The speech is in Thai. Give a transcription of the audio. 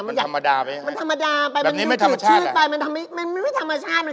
มันธรรมดาไปหรือไงแบบนี้ไม่ธรรมชาติ